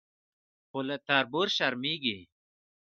خو له تربور شرمېږي.